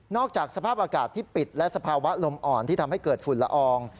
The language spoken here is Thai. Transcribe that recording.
จากสภาพอากาศที่ปิดและสภาวะลมอ่อนที่ทำให้เกิดฝุ่นละออง